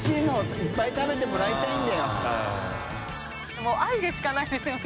もう愛でしかないですよね。